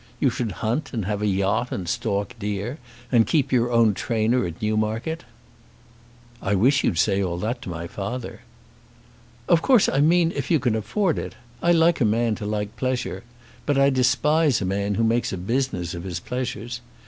You should hunt and have a yacht, and stalk deer and keep your own trainer at Newmarket." "I wish you'd say all that to my father." "Of course I mean if you can afford it. I like a man to like pleasure. But I despise a man who makes a business of his pleasures.